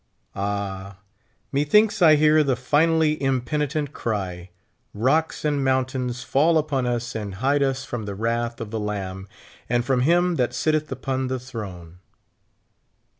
Ah ! methinks I hear the finally impenitent cry : ''Rocks and mountains, fall upon us and hide us from the wrath of the Lamb, and from him that sitteth upon the throne."